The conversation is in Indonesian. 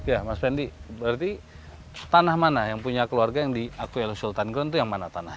ya mas fendi berarti tanah mana yang punya keluarga yang diakui oleh sultan ground itu yang mana tanah